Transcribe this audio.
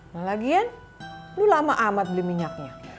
malah gien lu lama amat beli minyaknya